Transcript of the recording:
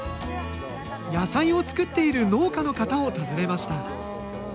野菜を作っている農家の方を訪ねました。